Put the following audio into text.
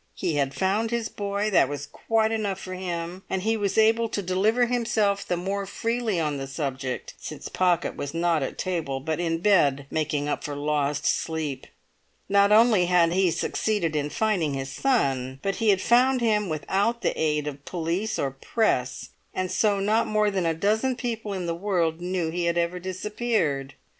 He had found his boy; that was quite enough for him, and he was able to deliver himself the more freely on the subject since Pocket was not at table, but in bed making up for lost sleep. Not only had he succeeded in finding his son, but he had found him without the aid of police or press, and so not more than a dozen people in the world knew that he had ever disappeared.